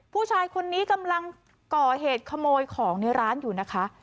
ผู้ชายคนนี้กำลังก่อเหตุขโมยของในร้านอยู่นะคะ